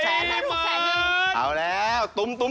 เสาคำยันอาวุธิ